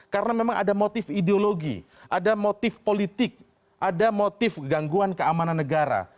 karena memang ada motif ideologi ada motif politik ada motif gangguan keamanan negara